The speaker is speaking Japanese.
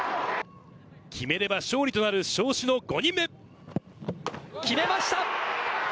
決めれば勝利となる尚志の５